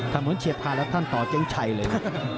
ถ้าเหมือนเฉียดทานแล้วท่านต่อเจ๊งชัยเลยนะ